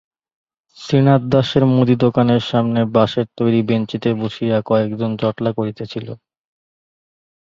শ্রীনাথ দাশের মুদি দোকানের সামনে বাঁশের তৈরি বেঞ্চিতে বসিয়া কয়েকজন জটলা করিতেছিল।